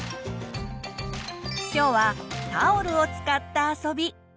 今日はタオルを使った遊び。